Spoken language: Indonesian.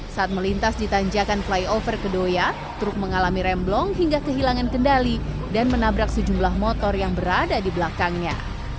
saat melintas di tanjakan flyover kedoya truk mengalami remblong hingga kehilangan kendali dan menabrak sejumlah motor yang berada di belakangnya